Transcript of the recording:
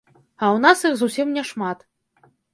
А ў нас іх зусім няшмат.